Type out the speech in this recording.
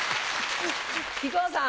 木久扇さん。